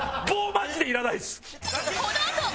マジでいらないです！